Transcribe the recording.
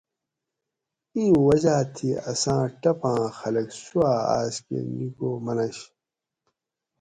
اِیں وجاۤ تھی اساۤں ٹپاۤں خلق سُوا آس کہ نیکو مننش